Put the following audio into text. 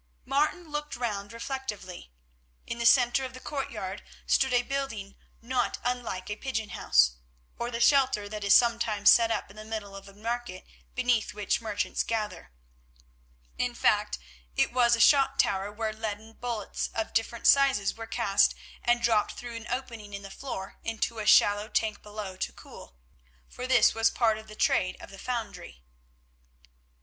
Martin looked round reflectively. In the centre of the courtyard stood a building not unlike a pigeon house, or the shelter that is sometimes set up in the middle of a market beneath which merchants gather. In fact it was a shot tower, where leaden bullets of different sizes were cast and dropped through an opening in the floor into a shallow tank below to cool, for this was part of the trade of the foundry.